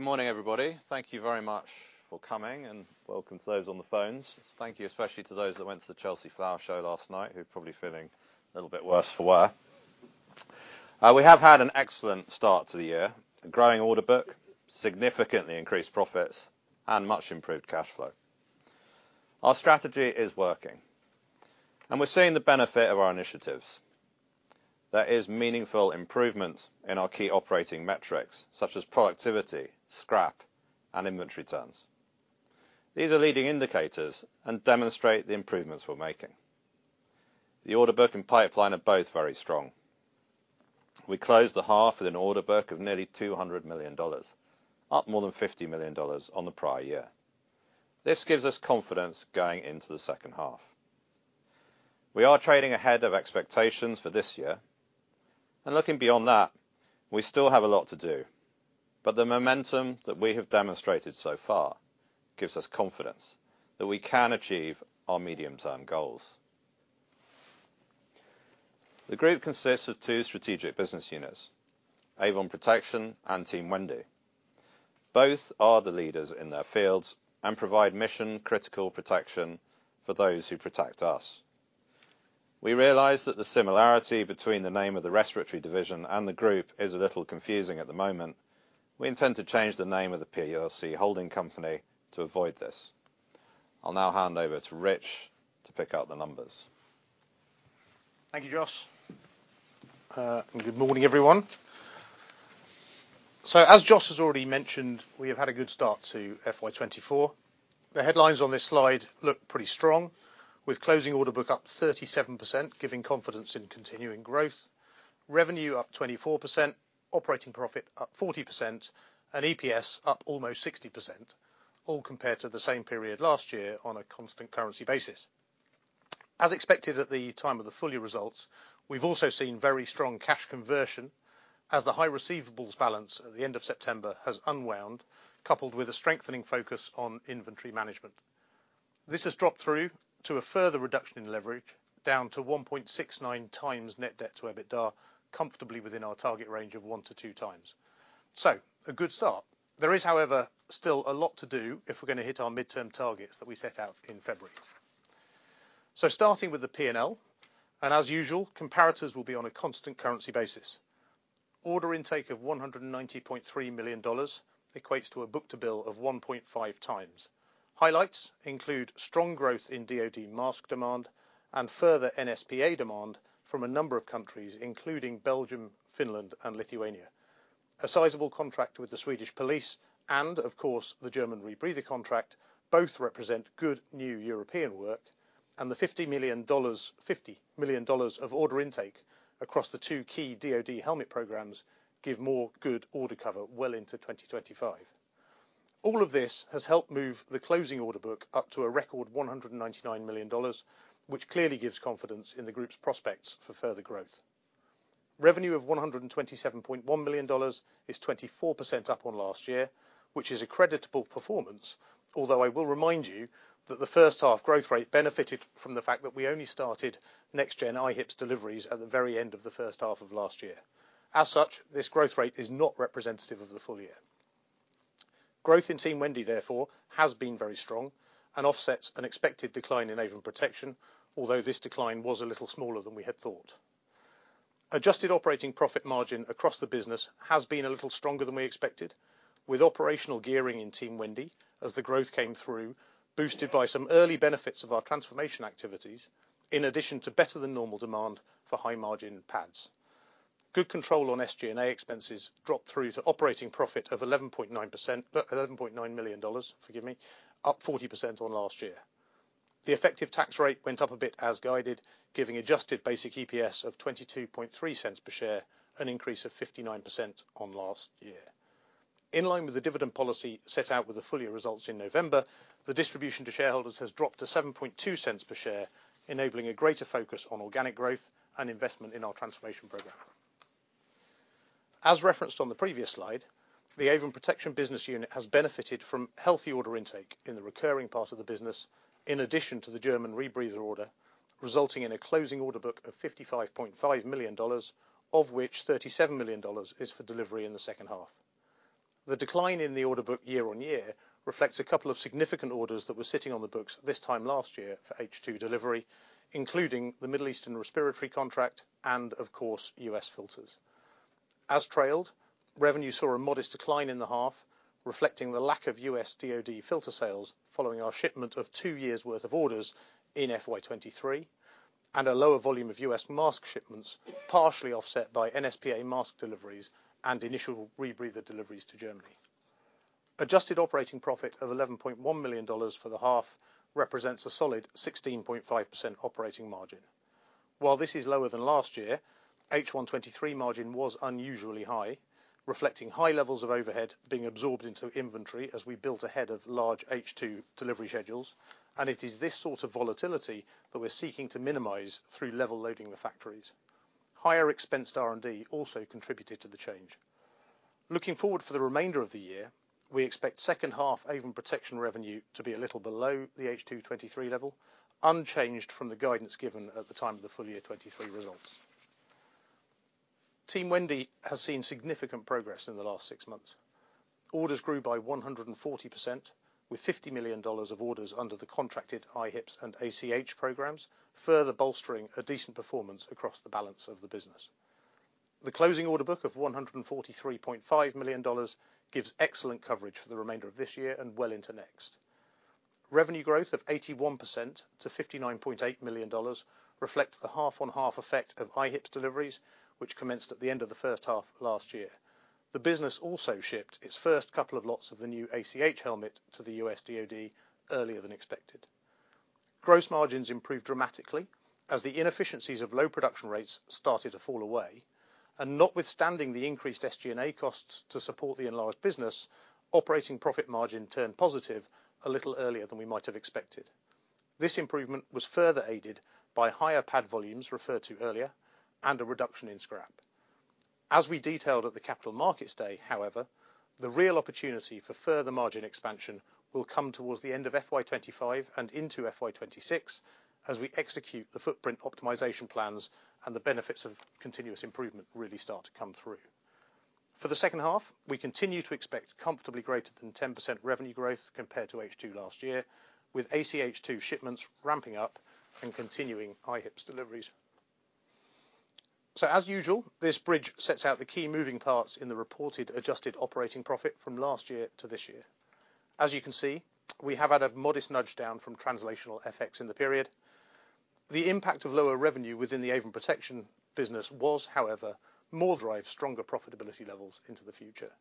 ...Good morning, everybody. Thank you very much for coming, and welcome to those on the phones. Thank you, especially to those that went to the Chelsea Flower Show last night, who are probably feeling a little bit worse for wear. We have had an excellent start to the year, a growing order book, significantly increased profits, and much improved cash flow. Our strategy is working, and we're seeing the benefit of our initiatives. There is meaningful improvement in our key operating metrics, such as productivity, scrap, and inventory terms. These are leading indicators and demonstrate the improvements we're making. The order book and pipeline are both very strong. We closed the half with an order book of nearly $200 million, up more than $50 million on the prior year. This gives us confidence going into the second half. We are trading ahead of expectations for this year, and looking beyond that, we still have a lot to do, but the momentum that we have demonstrated so far gives us confidence that we can achieve our medium-term goals. The group consists of two strategic business units, Avon Protection and Team Wendy. Both are the leaders in their fields and provide mission-critical protection for those who protect us. We realize that the similarity between the name of the respiratory division and the group is a little confusing at the moment. We intend to change the name of the PLC holding company to avoid this. I'll now hand over to Rich to pick out the numbers. Thank you, Joss. And good morning, everyone. So as Joss has already mentioned, we have had a good start to FY 2024. The headlines on this slide look pretty strong, with closing order book up 37%, giving confidence in continuing growth, revenue up 24%, operating profit up 40%, and EPS up almost 60%, all compared to the same period last year on a constant currency basis. As expected at the time of the full year results, we've also seen very strong cash conversion as the high receivables balance at the end of September has unwound, coupled with a strengthening focus on inventory management. This has dropped through to a further reduction in leverage, down to 1.69 times net debt to EBITDA, comfortably within our target range of 1-2 times. A good start. There is, however, still a lot to do if we're gonna hit our midterm targets that we set out in February. So starting with the P&L, and as usual, comparators will be on a constant currency basis. Order intake of $190.3 million equates to a book-to-bill of 1.5 times. Highlights include strong growth in DoD mask demand and further NSPA demand from a number of countries, including Belgium, Finland, and Lithuania. A sizable contract with the Swedish police and, of course, the German rebreather contract both represent good new European work, and the $50 million, $50 million of order intake across the two key DoD helmet programs give more good order cover well into 2025. All of this has helped move the closing order book up to a record $199 million, which clearly gives confidence in the group's prospects for further growth. Revenue of $127.1 million is 24% up on last year, which is a creditable performance. Although I will remind you that the first half growth rate benefited from the fact that we only started Next Gen IHPS deliveries at the very end of the first half of last year. As such, this growth rate is not representative of the full year. Growth in Team Wendy, therefore, has been very strong and offsets an expected decline in Avon Protection, although this decline was a little smaller than we had thought. Adjusted operating profit margin across the business has been a little stronger than we expected, with operational gearing in Team Wendy as the growth came through, boosted by some early benefits of our transformation activities, in addition to better than normal demand for high-margin pads. Good control on SG&A expenses dropped through to operating profit of 11.9%, $11.9 million, forgive me, up 40% on last year. The effective tax rate went up a bit as guided, giving adjusted basic EPS of $0.223 per share, an increase of 59% on last year. In line with the dividend policy set out with the full year results in November, the distribution to shareholders has dropped to $0.072 per share, enabling a greater focus on organic growth and investment in our transformation program. As referenced on the previous slide, the Avon Protection business unit has benefited from healthy order intake in the recurring part of the business, in addition to the German rebreather order, resulting in a closing order book of $55.5 million, of which $37 million is for delivery in the second half. The decline in the order book year-on-year reflects a couple of significant orders that were sitting on the books this time last year for H2 delivery, including the Middle Eastern respiratory contract and, of course, US filters. As trailed, revenue saw a modest decline in the half, reflecting the lack of US DoD filter sales following our shipment of two years' worth of orders in FY 2023 and a lower volume of US mask shipments, partially offset by NSPA mask deliveries and initial rebreather deliveries to Germany. Adjusted operating profit of $11.1 million for the half represents a solid 16.5% operating margin. While this is lower than last year, H1 2023 margin was unusually high, reflecting high levels of overhead being absorbed into inventory as we built ahead of large H2 delivery schedules. It is this sort of volatility that we're seeking to minimize through level loading the factories. Higher expensed R&D also contributed to the change. Looking forward to the remainder of the year, we expect second half Avon Protection revenue to be a little below the H2 2023 level, unchanged from the guidance given at the time of the full year 2023 results. Team Wendy has seen significant progress in the last six months. Orders grew by 140%, with $50 million of orders under the contracted IHPS and ACH programs, further bolstering a decent performance across the balance of the business. The closing order book of $143.5 million gives excellent coverage for the remainder of this year and well into next. Revenue growth of 81% to $59.8 million reflects the half-on-half effect of IHPS deliveries, which commenced at the end of the first half of last year. The business also shipped its first couple of lots of the new ACH helmet to the US DoD earlier than expected. Gross margins improved dramatically as the inefficiencies of low production rates started to fall away, and notwithstanding the increased SG&A costs to support the enlarged business, operating profit margin turned positive a little earlier than we might have expected. This improvement was further aided by higher pad volumes referred to earlier, and a reduction in scrap. As we detailed at the Capital Markets Day, however, the real opportunity for further margin expansion will come towards the end of FY 25 and into FY 26, as we execute the footprint optimization plans and the benefits of continuous improvement really start to come through. For the second half, we continue to expect comfortably greater than 10% revenue growth compared to H2 last year, with ACH2 shipments ramping up and continuing IHIPS deliveries. So as usual, this bridge sets out the key moving parts in the reported adjusted operating profit from last year to this year. As you can see, we have had a modest nudge down from translational FX in the period. The impact of lower revenue within the Avon Protection business was, however, more drive, stronger profitability levels into the future.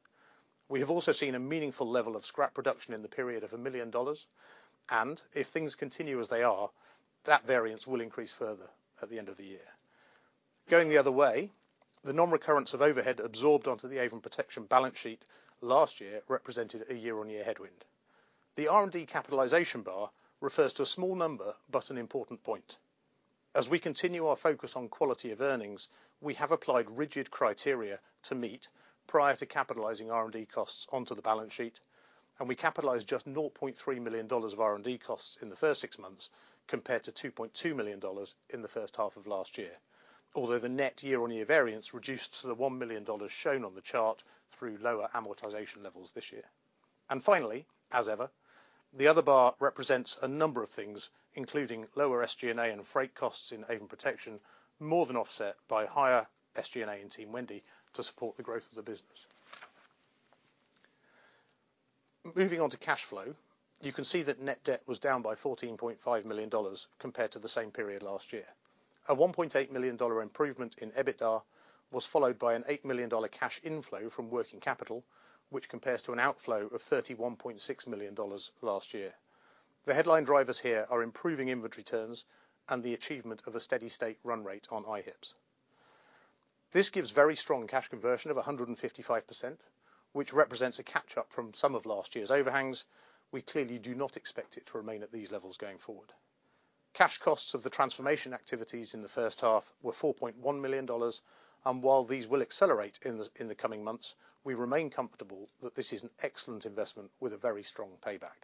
We have also seen a meaningful level of scrap reduction in the period of $1 million, and if things continue as they are, that variance will increase further at the end of the year. Going the other way, the non-recurrence of overhead absorbed onto the Avon Protection balance sheet last year represented a year-on-year headwind. The R&D capitalization bar refers to a small number, but an important point. As we continue our focus on quality of earnings, we have applied rigid criteria to meet prior to capitalizing R&D costs onto the balance sheet, and we capitalized just $0.3 million of R&D costs in the first six months, compared to $2.2 million in the first half of last year. Although the net year-on-year variance reduced to the $1 million shown on the chart through lower amortization levels this year. Finally, as ever, the other bar represents a number of things, including lower SG&A and freight costs in Avon Protection, more than offset by higher SG&A in Team Wendy to support the growth of the business. Moving on to cash flow, you can see that net debt was down by $14.5 million compared to the same period last year. A $1.8 million improvement in EBITDA was followed by an $8 million cash inflow from working capital, which compares to an outflow of $31.6 million last year. The headline drivers here are improving inventory terms and the achievement of a steady state run rate on IHPS. This gives very strong cash conversion of 155%, which represents a catch up from some of last year's overhangs. We clearly do not expect it to remain at these levels going forward. Cash costs of the transformation activities in the first half were $4.1 million, and while these will accelerate in the coming months, we remain comfortable that this is an excellent investment with a very strong payback.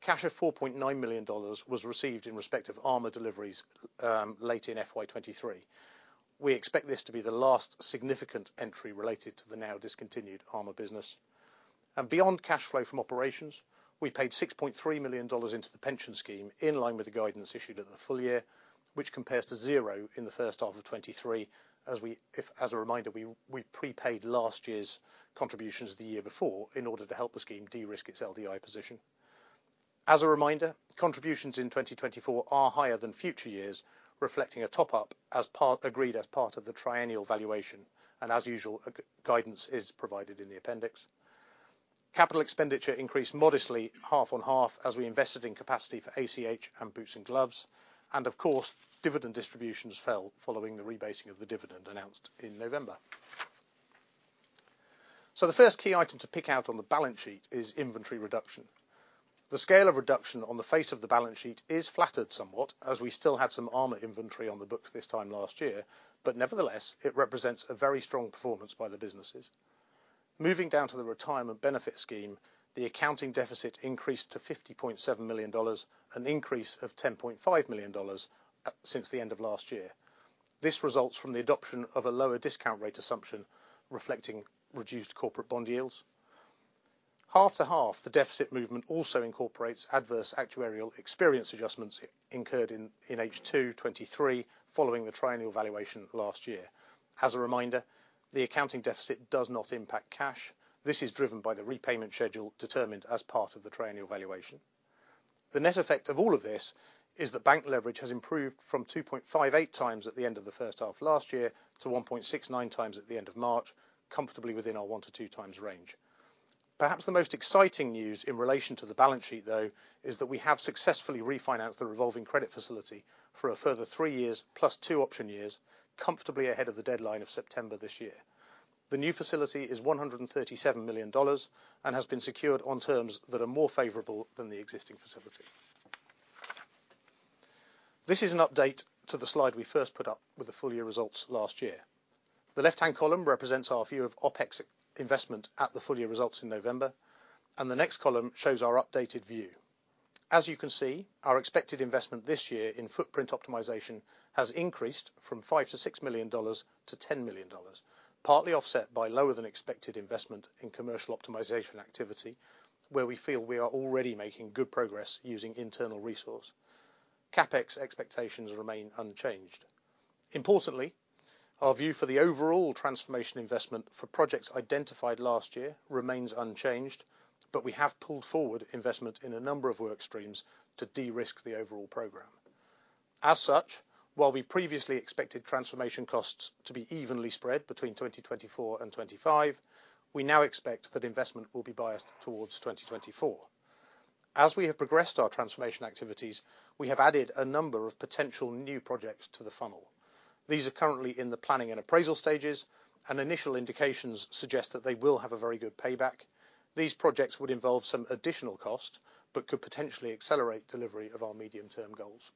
Cash of $4.9 million was received in respect of armor deliveries late in FY 2023. We expect this to be the last significant entry related to the now discontinued armor business. Beyond cash flow from operations, we paid $6.3 million into the pension scheme, in line with the guidance issued at the full year, which compares to zero in the first half of 2023. As a reminder, we, we prepaid last year's contributions the year before in order to help the scheme de-risk its LDI position. As a reminder, contributions in 2024 are higher than future years, reflecting a top-up agreed as part of the triennial valuation, and as usual, guidance is provided in the appendix. Capital expenditure increased modestly, half-on-half, as we invested in capacity for ACH and boots and gloves, and of course, dividend distributions fell following the rebasing of the dividend announced in November. So the first key item to pick out on the balance sheet is inventory reduction. The scale of reduction on the face of the balance sheet is flattered somewhat, as we still had some armor inventory on the books this time last year, but nevertheless, it represents a very strong performance by the businesses. Moving down to the retirement benefit scheme, the accounting deficit increased to $50.7 million, an increase of $10.5 million, since the end of last year. This results from the adoption of a lower discount rate assumption, reflecting reduced corporate bond yields. H1 to H2, the deficit movement also incorporates adverse actuarial experience adjustments incurred in H2 2023, following the Triennial Valuation last year. As a reminder, the accounting deficit does not impact cash. This is driven by the repayment schedule determined as part of the Triennial Valuation. The net effect of all of this is that bank leverage has improved from 2.58x at the end of the first half of last year to 1.69x at the end of March, comfortably within our 1-2x range. Perhaps the most exciting news in relation to the balance sheet, though, is that we have successfully refinanced the revolving credit facility for a further three years plus two option years, comfortably ahead of the deadline of September this year. The new facility is $137 million and has been secured on terms that are more favorable than the existing facility. This is an update to the slide we first put up with the full year results last year. The left-hand column represents our view of OpEx investment at the full year results in November, and the next column shows our updated view. As you can see, our expected investment this year in footprint optimization has increased from $5-$6 million to $10 million, partly offset by lower than expected investment in commercial optimization activity, where we feel we are already making good progress using internal resource. CapEx expectations remain unchanged. Importantly, our view for the overall transformation investment for projects identified last year remains unchanged, but we have pulled forward investment in a number of work streams to de-risk the overall program. As such, while we previously expected transformation costs to be evenly spread between 2024 and 2025, we now expect that investment will be biased towards 2024. As we have progressed our transformation activities, we have added a number of potential new projects to the funnel. These are currently in the planning and appraisal stages, and initial indications suggest that they will have a very good payback. These projects would involve some additional cost, but could potentially accelerate delivery of our medium-term goals.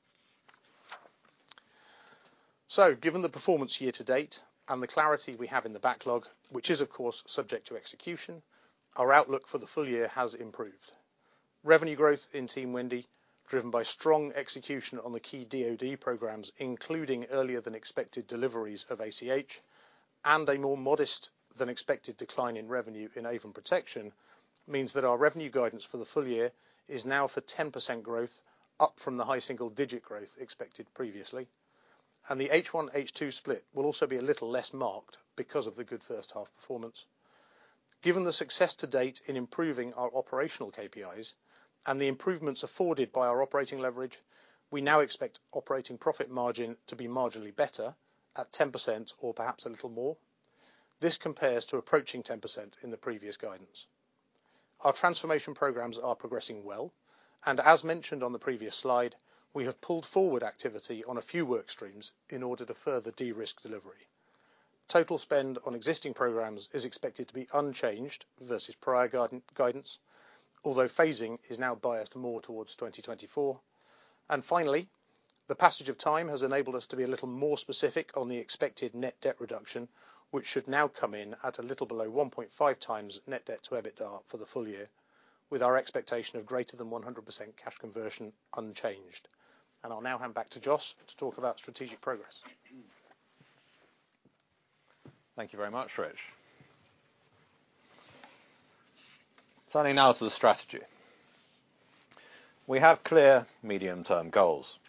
So given the performance year to date and the clarity we have in the backlog, which is, of course, subject to execution, our outlook for the full year has improved. Revenue growth in Team Wendy, driven by strong execution on the key DoD programs, including earlier than expected deliveries of ACH and a more modest than expected decline in revenue in Avon Protection, means that our revenue guidance for the full year is now for 10% growth, up from the high single-digit growth expected previously. The H1 H2 split will also be a little less marked because of the good first half performance. Given the success to date in improving our operational KPIs and the improvements afforded by our operating leverage, we now expect operating profit margin to be marginally better at 10% or perhaps a little more. This compares to approaching 10% in the previous guidance. Our transformation programs are progressing well, and as mentioned on the previous slide, we have pulled forward activity on a few work streams in order to further de-risk delivery. Total spend on existing programs is expected to be unchanged versus prior guidance, although phasing is now biased more towards 2024. Finally, the passage of time has enabled us to be a little more specific on the expected net debt reduction, which should now come in at a little below 1.5 times net debt to EBITDA for the full year, with our expectation of greater than 100% cash conversion unchanged. I'll now hand back to Jos to talk about strategic progress. Thank you very much, Rich. Turning now to the strategy. We have clear medium-term goals.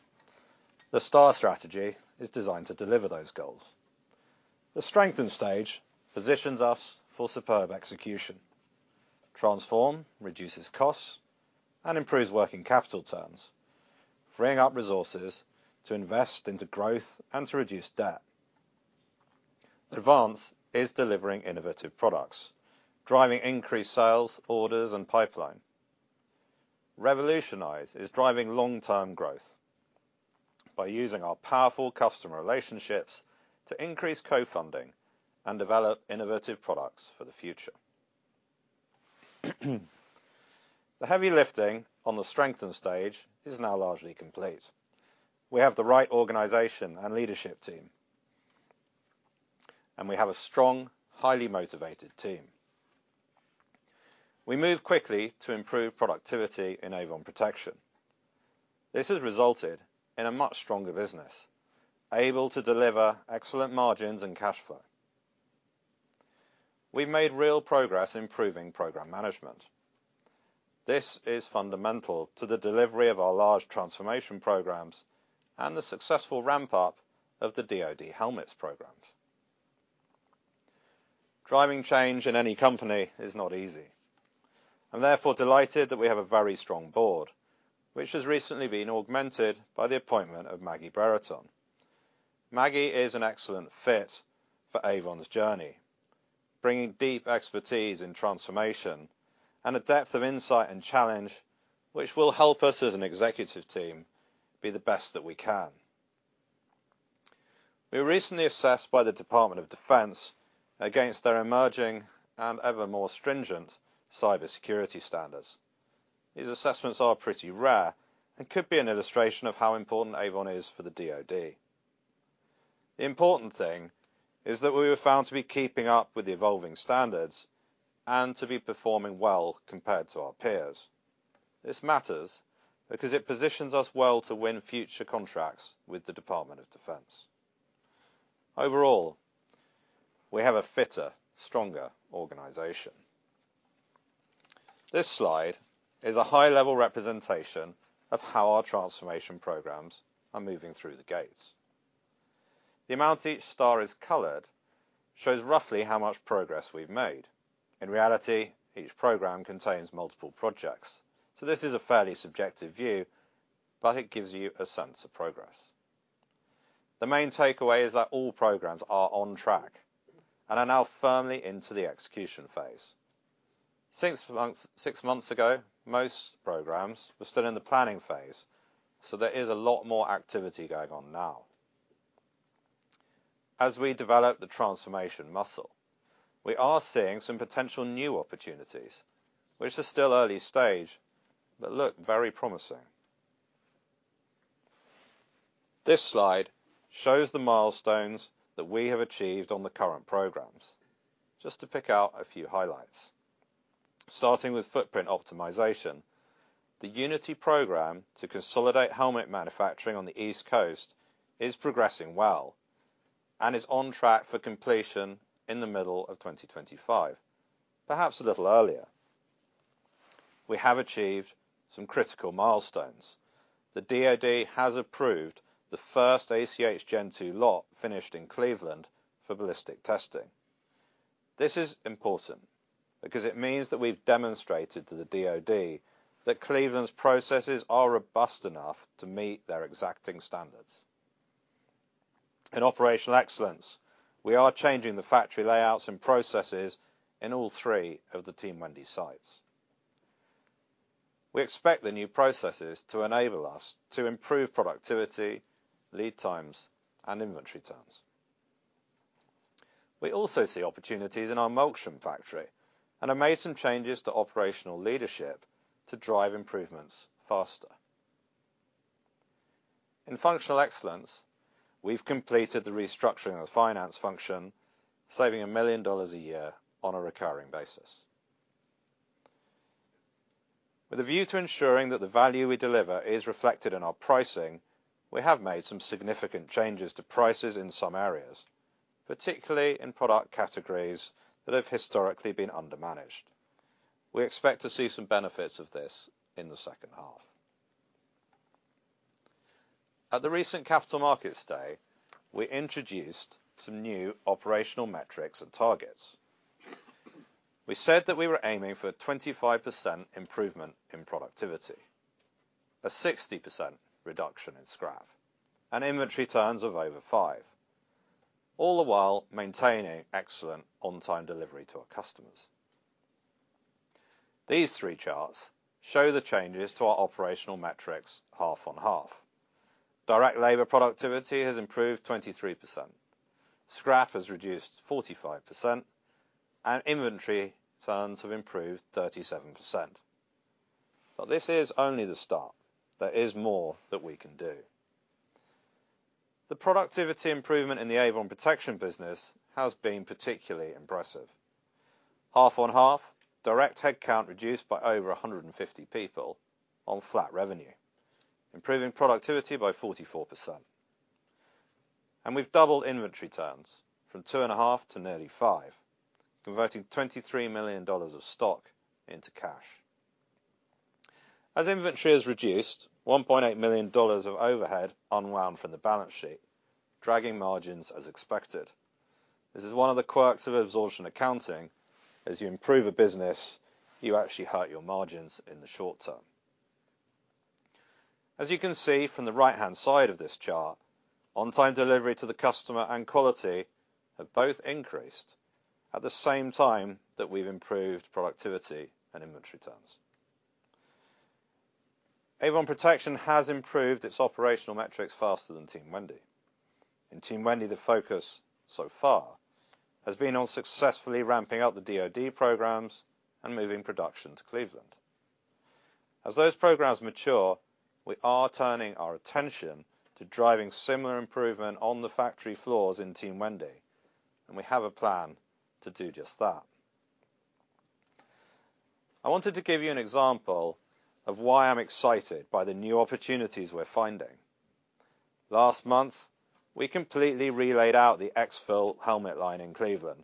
The Star strategy is designed to deliver those goals. The strengthen stage positions us for superb execution. Transform reduces costs and improves working capital terms, freeing up resources to invest into growth and to reduce debt. Advance is delivering innovative products, driving increased sales, orders, and pipeline. Revolutionize is driving long-term growth by using our powerful customer relationships to increase co-funding and develop innovative products for the future. The heavy lifting on the strengthen stage is now largely complete. We have the right organization and leadership team, and we have a strong, highly motivated team. We moved quickly to improve productivity in Avon Protection. This has resulted in a much stronger business, able to deliver excellent margins and cash flow. We've made real progress improving program management. This is fundamental to the delivery of our large transformation programs and the successful ramp-up of the DoD helmets programs. Driving change in any company is not easy. I'm therefore delighted that we have a very strong board, which has recently been augmented by the appointment of Maggie Brereton. Maggie is an excellent fit for Avon's journey, bringing deep expertise in transformation and a depth of insight and challenge, which will help us, as an executive team, be the best that we can. We were recently assessed by the Department of Defense against their emerging and ever more stringent cybersecurity standards. These assessments are pretty rare and could be an illustration of how important Avon is for the DoD. The important thing is that we were found to be keeping up with the evolving standards and to be performing well compared to our peers. This matters because it positions us well to win future contracts with the Department of Defense. Overall, we have a fitter, stronger organization. This slide is a high-level representation of how our transformation programs are moving through the gates. The amount each star is colored shows roughly how much progress we've made. In reality, each program contains multiple projects, so this is a fairly subjective view, but it gives you a sense of progress. The main takeaway is that all programs are on track and are now firmly into the execution phase. Six months ago, most programs were still in the planning phase, so there is a lot more activity going on now. As we develop the transformation muscle, we are seeing some potential new opportunities, which are still early stage, but look very promising.... This slide shows the milestones that we have achieved on the current programs. Just to pick out a few highlights. Starting with footprint optimization, the Unity program to consolidate helmet manufacturing on the East Coast is progressing well and is on track for completion in the middle of 2025, perhaps a little earlier. We have achieved some critical milestones. The DoD has approved the first ACH Gen 2 lot finished in Cleveland for ballistic testing. This is important because it means that we've demonstrated to the DoD that Cleveland's processes are robust enough to meet their exacting standards. In operational excellence, we are changing the factory layouts and processes in all three of the Team Wendy sites. We expect the new processes to enable us to improve productivity, lead times, and inventory terms. We also see opportunities in our Melksham factory and have made some changes to operational leadership to drive improvements faster. In functional excellence, we've completed the restructuring of the finance function, saving $1 million a year on a recurring basis. With a view to ensuring that the value we deliver is reflected in our pricing, we have made some significant changes to prices in some areas, particularly in product categories that have historically been under-managed. We expect to see some benefits of this in the second half. At the recent Capital Markets Day, we introduced some new operational metrics and targets. We said that we were aiming for a 25% improvement in productivity, a 60% reduction in scrap, and inventory turns of over 5, all the while maintaining excellent on-time delivery to our customers. These three charts show the changes to our operational metrics half on half. Direct labor productivity has improved 23%, scrap has reduced 45%, and inventory turns have improved 37%. But this is only the start. There is more that we can do. The productivity improvement in the Avon Protection business has been particularly impressive. Half on half, direct headcount reduced by over 150 people on flat revenue, improving productivity by 44%. And we've doubled inventory turns from 2.5 to nearly 5, converting $23 million of stock into cash. As inventory is reduced, $1.8 million of overhead unwound from the balance sheet, dragging margins as expected. This is one of the quirks of absorption accounting. As you can see from the right-hand side of this chart, on-time delivery to the customer and quality have both increased at the same time that we've improved productivity and inventory turns. Avon Protection has improved its operational metrics faster than Team Wendy. In Team Wendy, the focus so far has been on successfully ramping up the DoD programs and moving production to Cleveland. As those programs mature, we are turning our attention to driving similar improvement on the factory floors in Team Wendy, and we have a plan to do just that. I wanted to give you an example of why I'm excited by the new opportunities we're finding. Last month, we completely relaid out the EXFIL helmet line in Cleveland.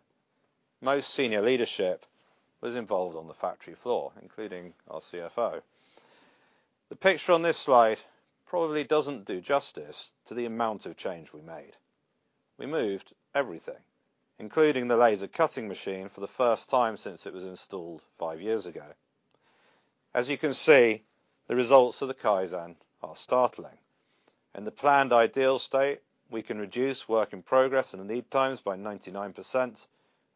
Most senior leadership was involved on the factory floor, including our CFO. The picture on this slide probably doesn't do justice to the amount of change we made. We moved everything, including the laser cutting machine, for the first time since it was installed five years ago. As you can see, the results of the Kaizen are startling. In the planned ideal state, we can reduce work in progress and lead times by 99%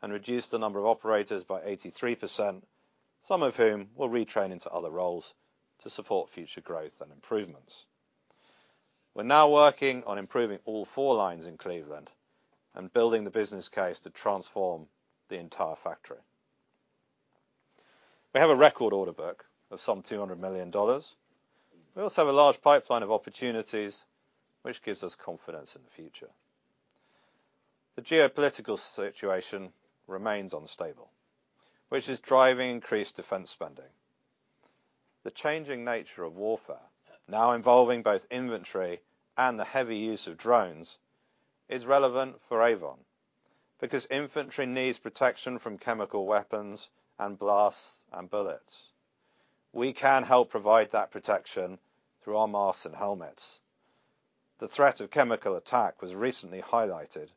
and reduce the number of operators by 83%, some of whom will retrain into other roles to support future growth and improvements. We're now working on improving all four lines in Cleveland and building the business case to transform the entire factory. We have a record order book of some $200 million. We also have a large pipeline of opportunities, which gives us confidence in the future. The geopolitical situation remains unstable, which is driving increased defense spending. The changing nature of warfare, now involving both inventory and the heavy use of drones, is relevant for Avon, because infantry needs protection from chemical weapons and blasts and bullets. We can help provide that protection through our masks and helmets. The threat of chemical attack was recently highlighted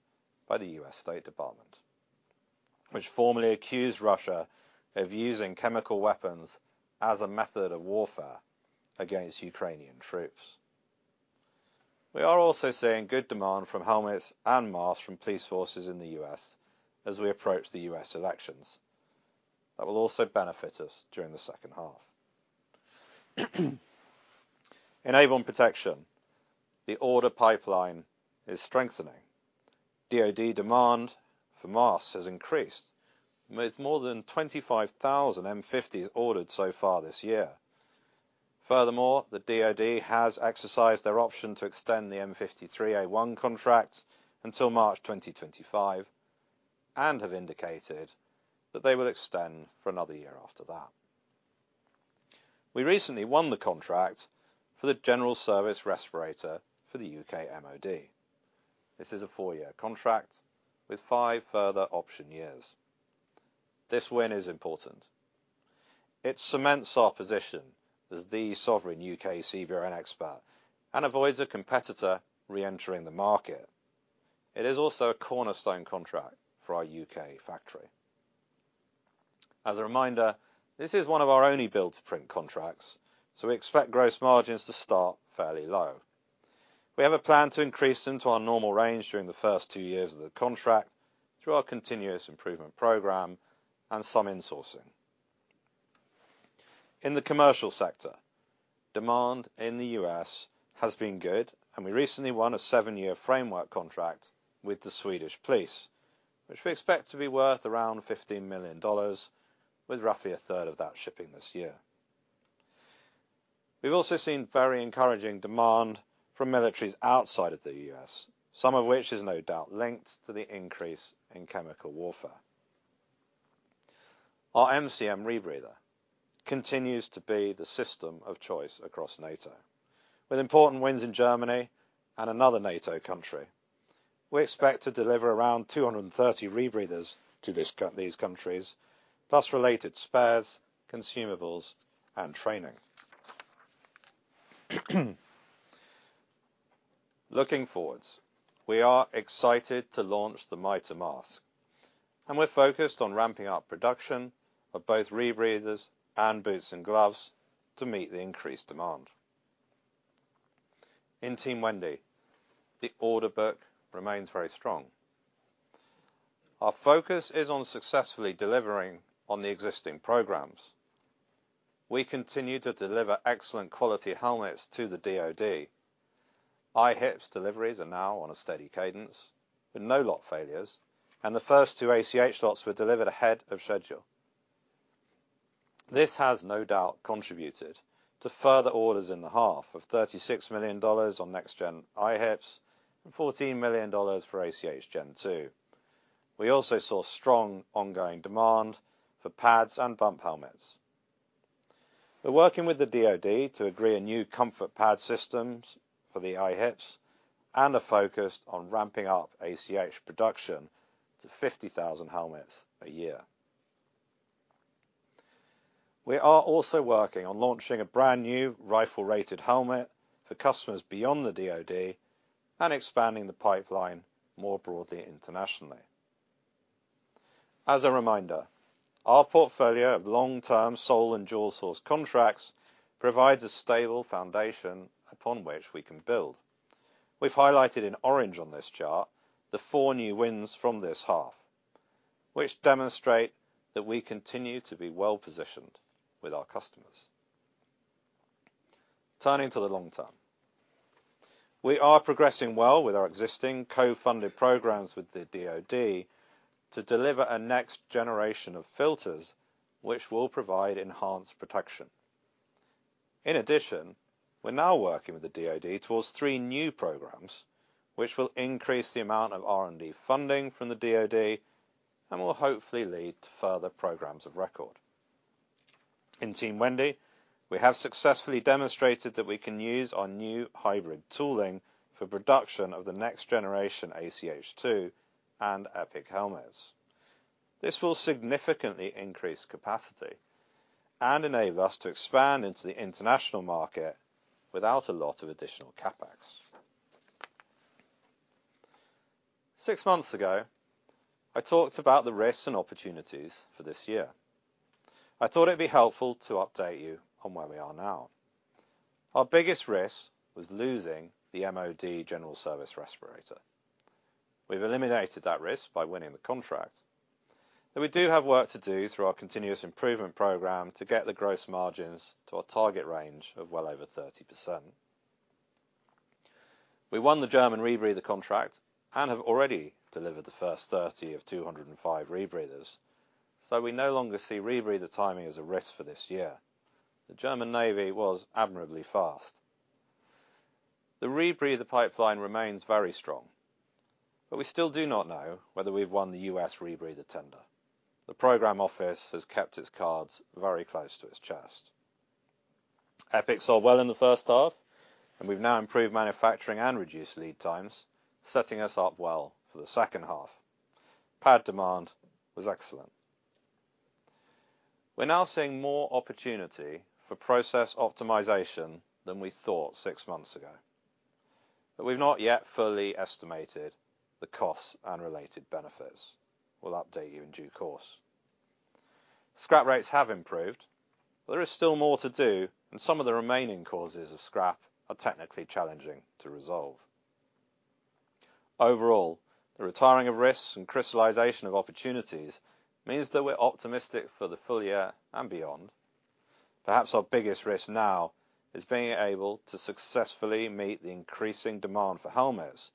by the U.S. State Department, which formally accused Russia of using chemical weapons as a method of warfare against Ukrainian troops. We are also seeing good demand from helmets and masks from police forces in the U.S. as we approach the U.S. elections. That will also benefit us during the second half. In Avon Protection, the order pipeline is strengthening. DoD demand for masks has increased, with more than 25,000 M50s ordered so far this year. Furthermore, the DoD has exercised their option to extend the M53A1 contract until March 2025, and have indicated that they will extend for another year after that. We recently won the contract for the General Service Respirator for the U.K. MOD. This is a four-year contract with five further option years. This win is important. It cements our position as the sovereign U.K. CBRN expert, and avoids a competitor reentering the market. It is also a cornerstone contract for our UK factory. As a reminder, this is one of our only build-to-print contracts, so we expect gross margins to start fairly low. We have a plan to increase into our normal range during the first two years of the contract through our continuous improvement program and some insourcing. In the commercial sector, demand in the U.S. has been good, and we recently won a seven-year framework contract with the Swedish police, which we expect to be worth around $15 million, with roughly a third of that shipping this year. We've also seen very encouraging demand from militaries outside of the U.S., some of which is no doubt linked to the increase in chemical warfare. Our MCM rebreather continues to be the system of choice across NATO, with important wins in Germany and another NATO country. We expect to deliver around 230 rebreathers to these countries, plus related spares, consumables, and training. Looking forward, we are excited to launch the MITR mask, and we're focused on ramping up production of both rebreathers and boots and gloves to meet the increased demand. In Team Wendy, the order book remains very strong. Our focus is on successfully delivering on the existing programs. We continue to deliver excellent quality helmets to the DoD. IHPS deliveries are now on a steady cadence with no lot failures, and the first two ACH lots were delivered ahead of schedule. This has no doubt contributed to further orders in the half of $36 million on next gen IHPS and $14 million for ACH Gen 2. We also saw strong ongoing demand for pads and bump helmets. We're working with the DoD to agree a new comfort pad systems for the IHPS, and are focused on ramping up ACH production to 50,000 helmets a year. We are also working on launching a brand new rifle-rated helmet for customers beyond the DoD and expanding the pipeline more broadly internationally. As a reminder, our portfolio of long-term sole and dual source contracts provides a stable foundation upon which we can build. We've highlighted in orange on this chart the four new wins from this half, which demonstrate that we continue to be well-positioned with our customers. Turning to the long term, we are progressing well with our existing co-funded programs with the DoD to deliver a next generation of filters which will provide enhanced protection. In addition, we're now working with the DoD towards three new programs, which will increase the amount of R&D funding from the DoD and will hopefully lead to further programs of record. In Team Wendy, we have successfully demonstrated that we can use our new hybrid tooling for production of the next generation ACH2 and EPIC helmets. This will significantly increase capacity and enable us to expand into the international market without a lot of additional CapEx. Six months ago, I talked about the risks and opportunities for this year. I thought it'd be helpful to update you on where we are now. Our biggest risk was losing the MOD General Service Respirator. We've eliminated that risk by winning the contract, but we do have work to do through our continuous improvement program to get the gross margins to our target range of well over 30%. We won the German rebreather contract and have already delivered the first 30 of 205 rebreathers, so we no longer see rebreather timing as a risk for this year. The German Navy was admirably fast. The rebreather pipeline remains very strong, but we still do not know whether we've won the U.S. rebreather tender. The program office has kept its cards very close to its chest. Epic sold well in the first half, and we've now improved manufacturing and reduced lead times, setting us up well for the second half. Pad demand was excellent. We're now seeing more opportunity for process optimization than we thought six months ago, but we've not yet fully estimated the costs and related benefits. We'll update you in due course. Scrap rates have improved, but there is still more to do, and some of the remaining causes of scrap are technically challenging to resolve. Overall, the retiring of risks and crystallization of opportunities means that we're optimistic for the full year and beyond.... Perhaps our biggest risk now is being able to successfully meet the increasing demand for helmets,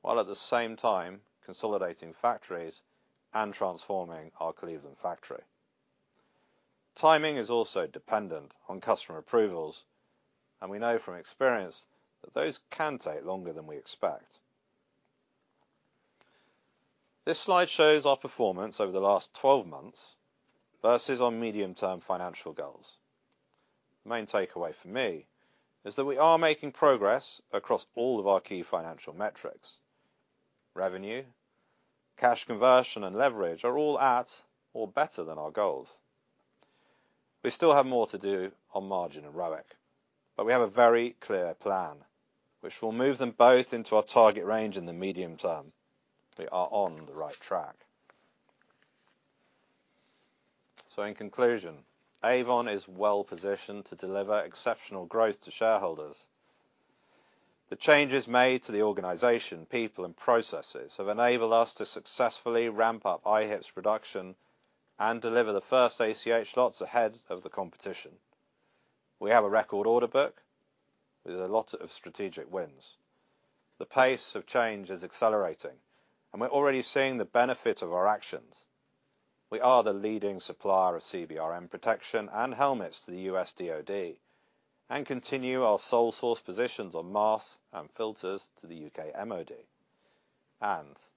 while at the same time consolidating factories and transforming our Cleveland factory. Timing is also dependent on customer approvals, and we know from experience that those can take longer than we expect. This slide shows our performance over the last twelve months versus our medium-term financial goals. Main takeaway for me is that we are making progress across all of our key financial metrics. Revenue, cash conversion, and leverage are all at or better than our goals. We still have more to do on margin and ROIC, but we have a very clear plan, which will move them both into our target range in the medium term. We are on the right track. In conclusion, Avon is well positioned to deliver exceptional growth to shareholders. The changes made to the organization, people, and processes have enabled us to successfully ramp up IHPS's production and deliver the first ACH lots ahead of the competition. We have a record order book with a lot of strategic wins. The pace of change is accelerating, and we're already seeing the benefit of our actions. We are the leading supplier of CBRN protection and helmets to the U.S. DoD, and continue our sole source positions on masks and filters to the U.K. MOD.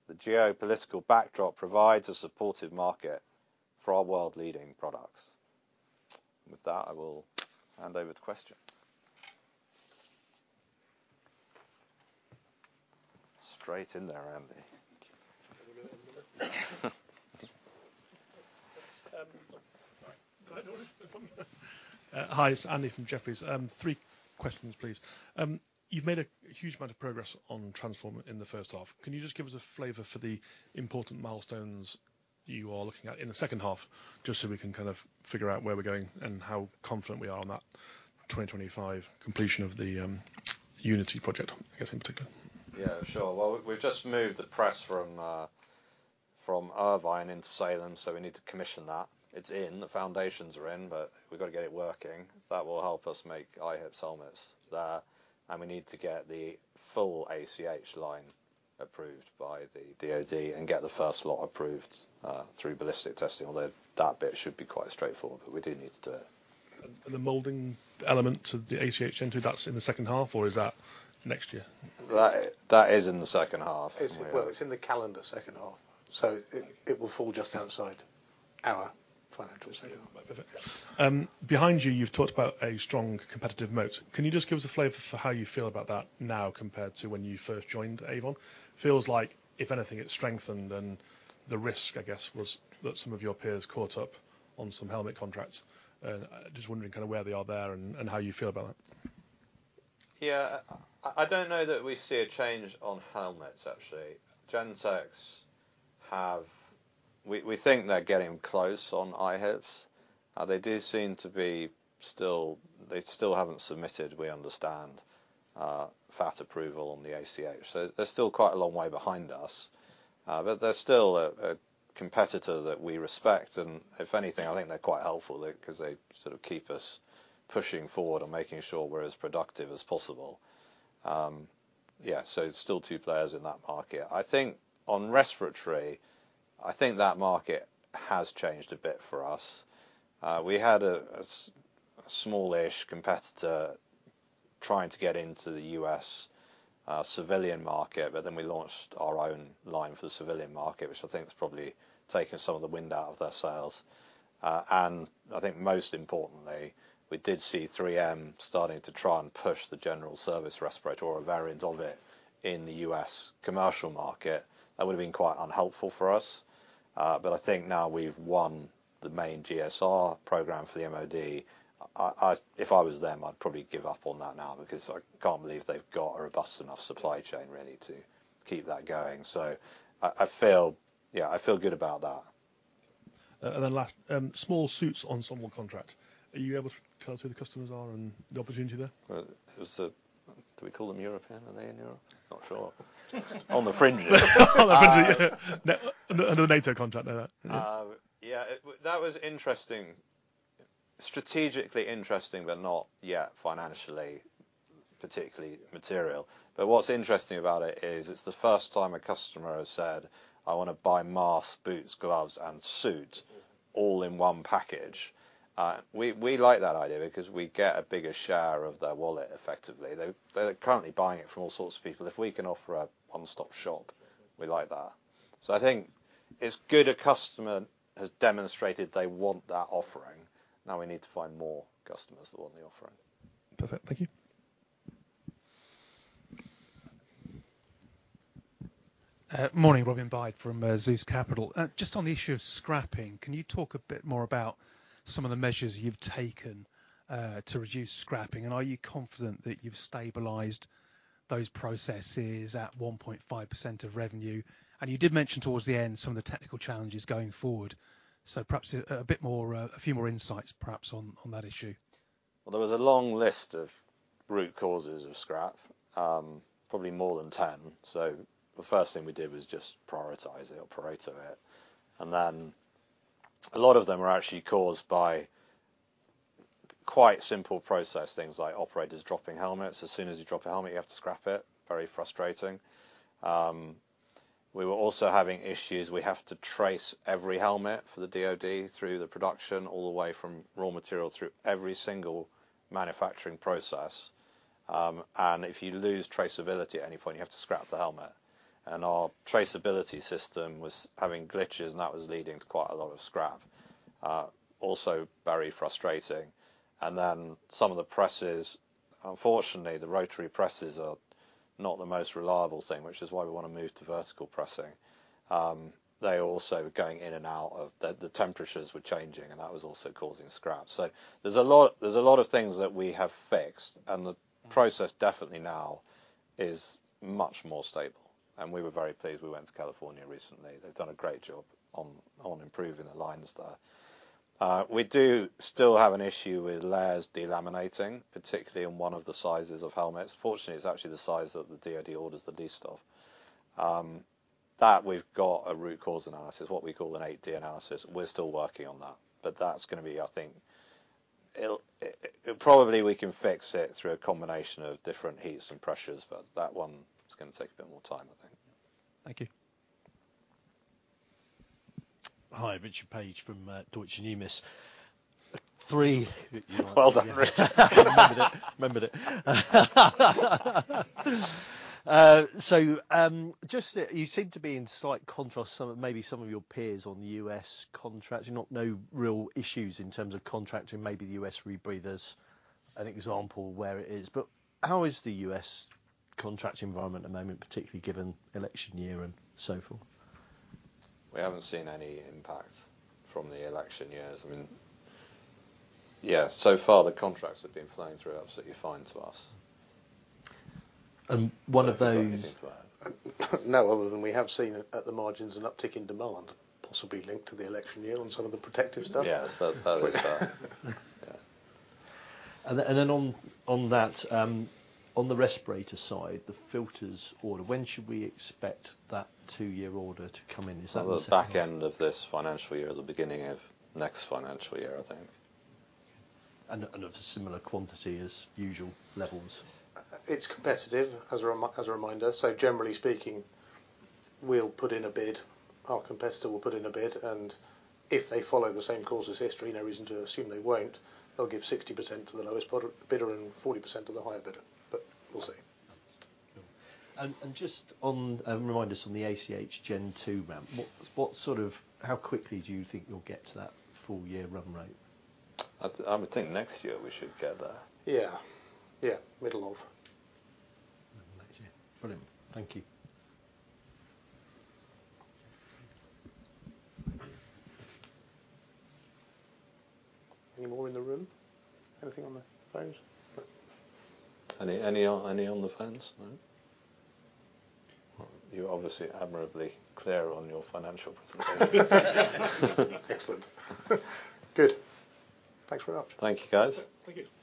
The geopolitical backdrop provides a supportive market for our world-leading products. With that, I will hand over to questions. Straight in there, Andy. Sorry. Go ahead. Hi, it's Andy from Jefferies. Three questions, please. You've made a huge amount of progress on transform in the first half. Can you just give us a flavor for the important milestones you are looking at in the second half, just so we can kind of figure out where we're going and how confident we are on that 2025 completion of the, Unity project, I guess, in particular? Yeah, sure. Well, we've just moved the press from Irvine into Salem, so we need to commission that. It's in, the foundations are in, but we've got to get it working. That will help us make IHPS helmets there. And we need to get the full ACH line approved by the DoD and get the first lot approved through ballistic testing, although that bit should be quite straightforward, but we do need to do it. The molding element to the ACH entry, that's in the second half, or is that next year? That is in the second half. Well, it's in the calendar second half, so it will fall just outside our financial second half. Perfect. Behind you, you've talked about a strong competitive moat. Can you just give us a flavor for how you feel about that now, compared to when you first joined Avon? Feels like, if anything, it's strengthened, and the risk, I guess, was that some of your peers caught up on some helmet contracts. And just wondering kind of where they are there and how you feel about that. Yeah. I don't know that we see a change on helmets, actually. Gentex has... We think they're getting close on IHPS. They do seem to be still-- They still haven't submitted, we understand, FAT approval on the ACH. So they're still quite a long way behind us, but they're still a competitor that we respect, and if anything, I think they're quite helpful because they sort of keep us pushing forward and making sure we're as productive as possible. Yeah, so it's still two players in that market. I think on respiratory, I think that market has changed a bit for us. We had a smallish competitor trying to get into the U.S. civilian market, but then we launched our own line for the civilian market, which I think has probably taken some of the wind out of their sails. And I think most importantly, we did see 3M starting to try and push the General Service Respirator or a variant of it in the U.S. commercial market. That would have been quite unhelpful for us, but I think now we've won the main GSR program for the MOD. I, I—If I was them, I'd probably give up on that now, because I can't believe they've got a robust enough supply chain really to keep that going. So I, I feel, yeah, I feel good about that. And then last, small suits, ensemble contract. Are you able to tell us who the customers are and the opportunity there? Do we call them European? Are they in Europe? Not sure. On the fringes. On the fringe, yeah. Under NATO contract, I know. Yeah, that was interesting. Strategically interesting, but not yet financially, particularly material. But what's interesting about it is, it's the first time a customer has said, "I want to buy masks, boots, gloves, and suits all in one package." We like that idea because we get a bigger share of their wallet, effectively. They're currently buying it from all sorts of people. If we can offer a one-stop shop, we like that. So I think it's good a customer has demonstrated they want that offering. Now we need to find more customers that want the offering. Perfect. Thank you. Morning, Robin Byde from Zeus Capital. Just on the issue of scrapping, can you talk a bit more about some of the measures you've taken to reduce scrapping? And are you confident that you've stabilized those processes at 1.5% of revenue? And you did mention towards the end some of the technical challenges going forward. So perhaps a bit more, a few more insights, perhaps, on that issue. Well, there was a long list of root causes of scrap, probably more than 10. So the first thing we did was just prioritize it or prioritize it. And then a lot of them are actually caused by quite simple process, things like operators dropping helmets. As soon as you drop a helmet, you have to scrap it. Very frustrating. We were also having issues, we have to trace every helmet for the DoD through the production, all the way from raw material through every single manufacturing process. And if you lose traceability at any point, you have to scrap the helmet. And our traceability system was having glitches, and that was leading to quite a lot of scrap. Also very frustrating. Then some of the presses, unfortunately, the rotary presses are not the most reliable thing, which is why we wanna move to vertical pressing. They are also going in and out. The temperatures were changing, and that was also causing scrap. So there's a lot, there's a lot of things that we have fixed, and the process definitely now is much more stable. We were very pleased we went to California recently. They've done a great job on improving the lines there. We do still have an issue with layers delaminating, particularly in one of the sizes of helmets. Fortunately, it's actually the size that the DoD orders the least of. That we've got a root cause analysis, what we call an 8D analysis. We're still working on that, but that's gonna be, I think... It'll probably we can fix it through a combination of different heats and pressures, but that one is gonna take a bit more time, I think. Thank you. Hi, Richard Paige from Deutsche Numis. Well done, Remembered it. Remembered it. So, just that you seem to be in slight contrast to some, maybe some of your peers on the U.S. contracts. Not no real issues in terms of contracting, maybe the U.S. rebreathers, an example where it is. But how is the U.S. contract environment at the moment, particularly given election year and so forth? We haven't seen any impact from the election years. I mean, yeah, so far, the contracts have been flowing through absolutely fine to us. And one of those- Anything to add? No, other than we have seen at the margins an uptick in demand, possibly linked to the election year on some of the protective stuff. Yeah, so that is that. And then on the respirator side, the filters order, when should we expect that two-year order to come in? Is that the Well, the back end of this financial year or the beginning of next financial year, I think. And of a similar quantity as usual levels? It's competitive, as a reminder. So generally speaking, we'll put in a bid, our competitor will put in a bid, and if they follow the same course as history, no reason to assume they won't, they'll give 60% to the lowest bidder and 40% to the higher bidder. But we'll see. Just on, remind us on the ACH Gen 2 ramp, what sort of- how quickly do you think you'll get to that full-year run rate? I would think next year we should get there. Yeah. Yeah, middle of. Next year. Brilliant. Thank you. Any more in the room? Anything on the phones? No. Any on the phones? No. You're obviously admirably clear on your financial presentation. Excellent. Good. Thanks very much. Thank you, guys. Thank you.